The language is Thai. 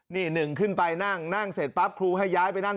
นี่หนึ่งขึ้นไปนั่งนั่งเสร็จปั๊บครูให้ย้ายไปนั่ง